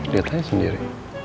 liat aja sendiri